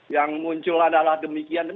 yang muncul adalah demikian